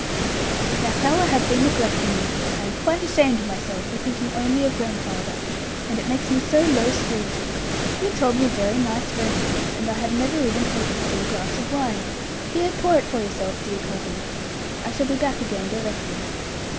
Now how I have been neglecting you! I am quite ashamed of myself for thinking only of grandfather: and it makes me so low spirited. You have told me a very nice romance, and I have never even helped you to a glass of wine. Here, pour it for yourself, dear cousin; I shall be back again directly.'